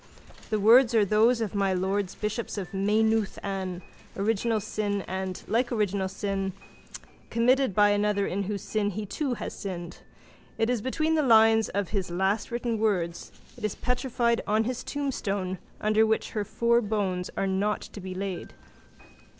The words are those of my lords bishops of Maynooth. An original sin and, like original sin, committed by another in whose sin he too has sinned. It is between the lines of his last written words, it is petrified on his tombstone under which her four bones are not to be laid.